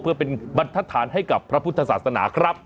เพื่อเป็นบรรทฐานให้กับพระพุทธศาสนาครับ